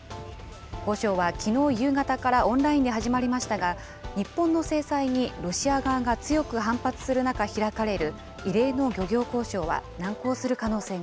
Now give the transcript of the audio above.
交渉はきのう夕方からオンラインで始まりましたが、日本の制裁にロシア側が強く反発する中、開かれる異例の漁業交渉